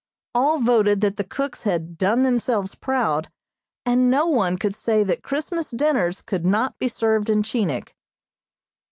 All voted that the cooks had "done themselves proud," and no one could say that Christmas dinners could not be served in Chinik.